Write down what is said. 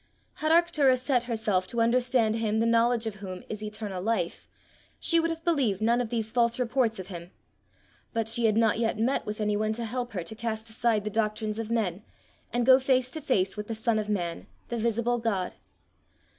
Had Arctura set herself to understand him the knowledge of whom is eternal life, she would have believed none of these false reports of him, but she had not yet met with any one to help her to cast aside the doctrines of men, and go face to face with the Son of Man, the visible God.